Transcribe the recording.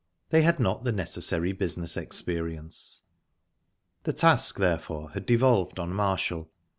they had not the necessary business experience. The task, therefore, had devolved on Marshall.